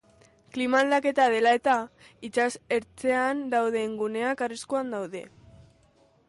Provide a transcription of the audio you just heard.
Klima aldaketa dela eta, itsas ertzean dauden guneak ariskuan daude